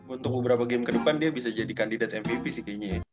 untuk beberapa game ke depan dia bisa jadi kandidat mpv sih kayaknya ya